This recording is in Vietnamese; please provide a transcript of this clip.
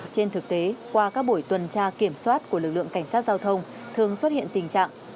trên thực tế qua các buổi tuần tra kiểm soát của lực lượng cảnh sát giao thông thường xuất hiện tình trạng